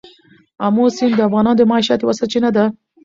آمو سیند د افغانانو د معیشت یوه سرچینه ده.